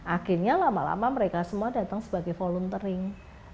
akhirnya lama lama mereka semua datang sebagai volunteering